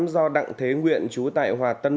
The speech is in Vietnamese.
do đặng thế nguyện chú tại hòa tân